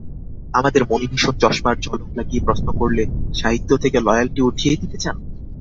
আমাদের মণিভূষণ চশমার ঝলক লাগিয়ে প্রশ্ন করলে, সাহিত্য থেকে লয়ালটি উঠিয়ে দিতে চান?